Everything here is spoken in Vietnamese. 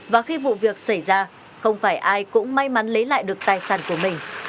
và khi vụ việc xảy ra không phải ai cũng may mắn lấy lại được tài sản của mình